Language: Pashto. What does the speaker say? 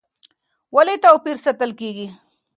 ولې توپیر ساتل کېږي؟